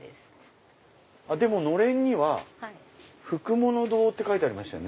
でものれんにはふくもの堂って書いてありましたよね。